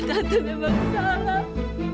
tante memang salah